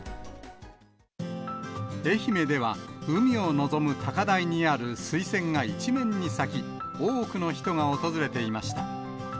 愛媛では、海を望む高台にあるスイセンが一面に咲き、多くの人が訪れていました。